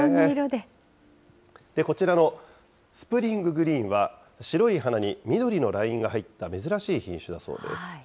こちらのスプリンググリーンは、白い花に緑のラインが入った珍しい品種だそうです。